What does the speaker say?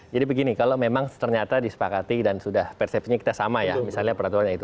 jadi begini kalau memang ternyata disepakati dan sudah persepsi kita sama ya misalnya peraturan itu